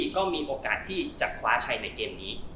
ก็มีโอกาสที่จะคว้าชัยในเกมนี้